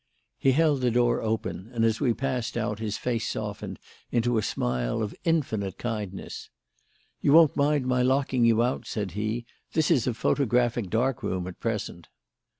He held the door open, and as we passed out his face softened into a smile of infinite kindness. "You won't mind my locking you out," said he; "this is a photographic dark room at present."